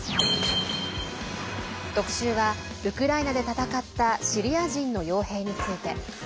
特集は、ウクライナで戦ったシリア人のよう兵について。